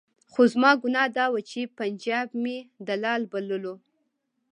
خو زما ګناه دا وه چې پنجاب مې دلال بللو.